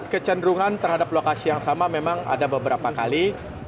kecenderungan terhadap lokasi yang sama memang ada beberapa kali